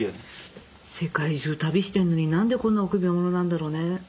世界中旅してんのに何でこんな臆病者なんだろうね。